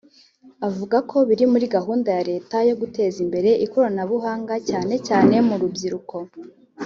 avuga ko biri muri gahunda ya Leta yo guteza imbere ikoranabuhanga cyane cyane mu rubyiruko